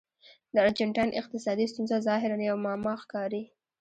د ارجنټاین اقتصادي ستونزه ظاهراً یوه معما ښکاري.